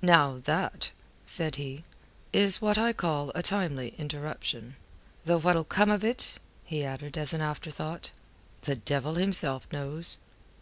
"Now that," said he, "is what I call a timely interruption. Though what'll come of it," he added as an afterthought, "the devil himself knows."